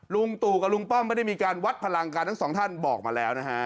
ลุงตู่กับลุงป้อมไม่ได้มีการวัดพลังการทั้งสองท่านบอกมาแล้วนะฮะ